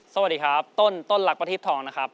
สวัสดีครับต้นต้นรักประทิศทองนะครับ